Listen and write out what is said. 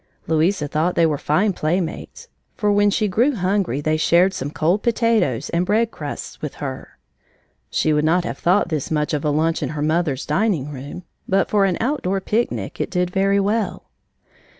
Louisa thought they were fine playmates, for when she grew hungry they shared some cold potatoes and bread crusts with her. She would not have thought this much of a lunch in her mother's dining room, but for an outdoor picnic it did very well.